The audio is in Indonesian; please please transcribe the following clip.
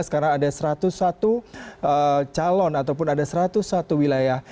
karena ada satu ratus satu calon ataupun ada satu ratus satu wilayah